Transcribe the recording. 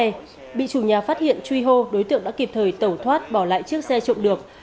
khi bị chủ nhà phát hiện truy hô đối tượng đã kịp thời tẩu thoát bỏ lại chiếc xe trộm được